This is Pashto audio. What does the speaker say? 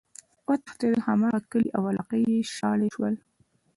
وتښتيدل!! هماغه کلي او علاقي ئی شاړ شول،